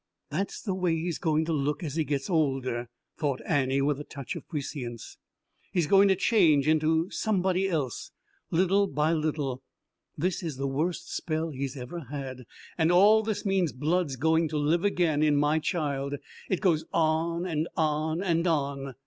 "That's the way he's going to look as he gets older," thought Annie with a touch of prescience. "He's going to change into somebody else little by little. This is the worst spell he's ever had. And all this mean blood's going to live again in my child. It goes on and on and on."